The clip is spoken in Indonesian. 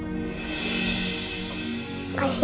ada apa lagi sih